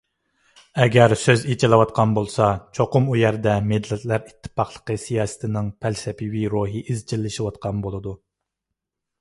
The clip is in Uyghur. ئەگەر سۆز ئېچىلىۋاتقان بولسا، چوقۇم ئۇ يەردە «مىللەتلەر ئىتتىپاقلىقى» سىياسىتىنىڭ «پەلسەپىۋى» روھى ئىزچىللىشىۋاتقان بولىدۇ.